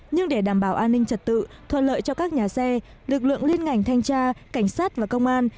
nhưng để đảm bảo an ninh trật tự thuận lợi cho các nhà xe lực lượng liên ngành thanh tra cảnh sát và công an